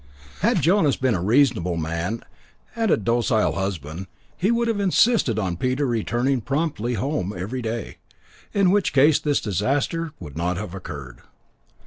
Had Jonas been a reasonable man, and a docile husband, he would have insisted on Peter returning promptly home every day, in which case this disaster would not have occurred.